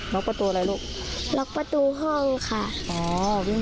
็อกประตูอะไรลูกล็อกประตูห้องค่ะอ๋อ